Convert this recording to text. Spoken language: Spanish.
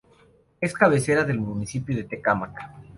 Es cabecera del municipio de Tecámac.